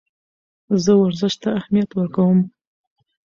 زه ورزش ته اهمیت ورکوم.